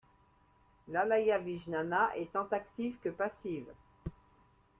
L'ālayavijñāna est tant active que passive.